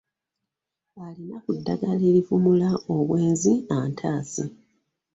Alina ku ddagala erivumula obwenzi antaase.